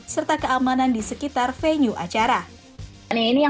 serta keamanan di sekitar venue acara